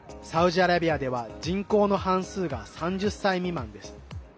サウジアラビアでは人口の半数が３０歳未満です。